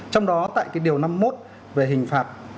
trong đó tại cái điều năm mươi một về hình phạt